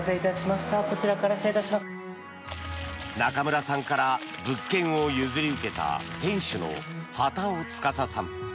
中村さんから物件を譲り受けた店主の畠尾司さん。